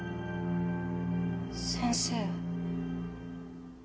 先生。